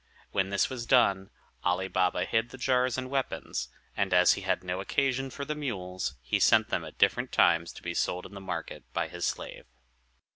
When this was done, Ali Baba hid the jars and weapons; and as he had no occasion for the mules, he sent them at different times to be sold in the market by his slave.